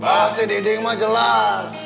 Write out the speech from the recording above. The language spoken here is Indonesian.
masih diding mah jelas